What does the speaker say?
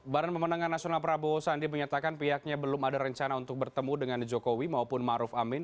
badan pemenangan nasional prabowo sandi menyatakan pihaknya belum ada rencana untuk bertemu dengan jokowi maupun maruf amin